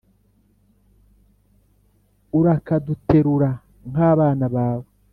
urakaduterura nk'abana bawe